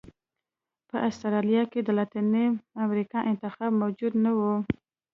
په اسټرالیا کې د لاتینې امریکا انتخاب موجود نه و.